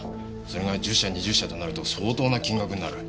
それが１０社２０社となると相当な金額になる。